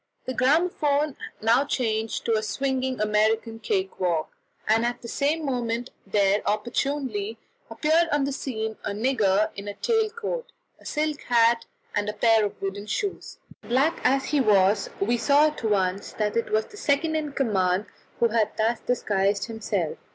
The gramophone now changed to a swinging American cake walk, and at the same moment there opportunely appeared on the scene a nigger in a tail coat, a silk hat, and a pair of wooden shoes. Black as he was, we saw at once that it was the second in command who had thus disguised himself.